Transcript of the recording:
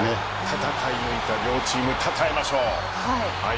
戦い抜いた両チーム称えましょう。